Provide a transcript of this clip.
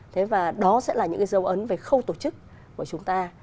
thế và đó sẽ là những cái dấu ấn về khâu tổ chức của chúng ta